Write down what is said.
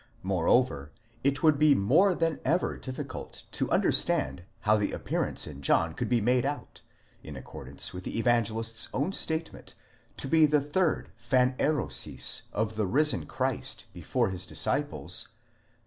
Moreover, it would be more than ever difficult to understand how the appearance in John could be made out, in accordance with the Evangelist's own statement, to be the third φανέρωσις of the risen Christ before his disciples (xxi.